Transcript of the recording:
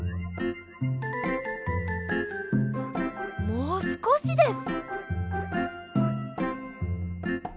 もうすこしです。